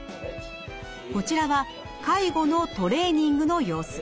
こちらは介護のトレーニングの様子。